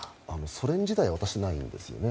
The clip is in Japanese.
ソ連時代は渡していないんですよね。